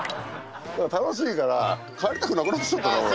楽しいから帰りたくなくなってきちゃったな俺。